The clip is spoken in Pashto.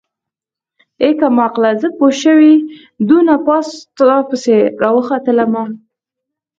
ای کمقله زه پوشوې دونه پاس تاپسې راوختلمه.